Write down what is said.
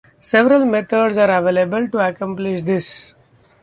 Several methods are available to accomplish this.